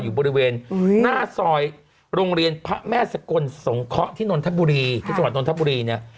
อยู่บริเวณหน้าซอยโรงเรียนพระแม่สกลสงเคราะห์ที่นนทบุรีที่จังหวัดนทบุรีเนี่ย